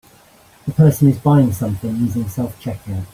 A person is buying something using selfcheckout.